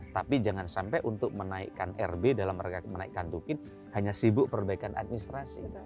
tapi jangan sampai untuk menaikkan rb dalam mereka menaikkan tukin hanya sibuk perbaikan administrasi